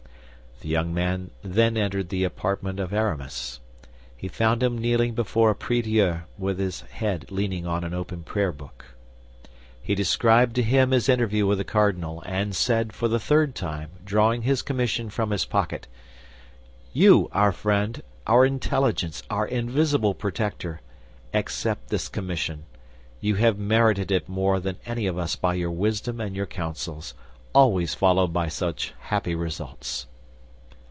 The young man then entered the apartment of Aramis. He found him kneeling before a priedieu, with his head leaning on an open prayer book. He described to him his interview with the cardinal, and said, for the third time drawing his commission from his pocket, "You, our friend, our intelligence, our invisible protector, accept this commission. You have merited it more than any of us by your wisdom and your counsels, always followed by such happy results."